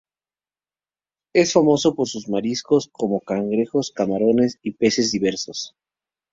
Es famoso por sus mariscos, como cangrejos, camarones y peces diversos.